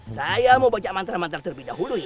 saya mau baca mantra mantra terlebih dahulu ya